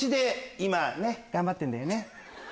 今頑張ってんだよね？